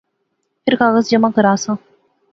فیر کاغذ جمع کراساں